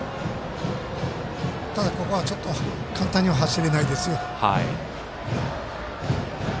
ここは簡単には走れないですよ。